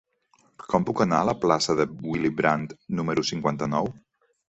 Com puc anar a la plaça de Willy Brandt número cinquanta-nou?